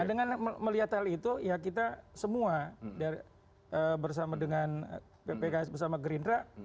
nah dengan melihat hal itu ya kita semua bersama dengan pks bersama gerindra